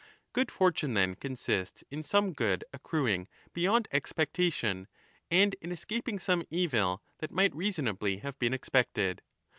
Good fortune, then, consists in some good accruing beyond expec tation, and in escaping some evil that might reasonably have been expected.